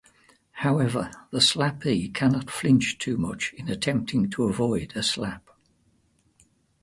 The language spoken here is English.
However, the slappee cannot flinch too much in attempting to avoid a slap.